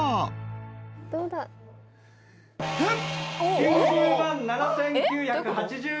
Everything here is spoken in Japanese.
９０万７，９８２円。